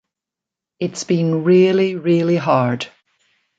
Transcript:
It's been really, really hard.